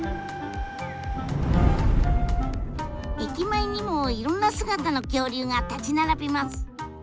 駅前にもいろんな姿の恐竜が立ち並びます。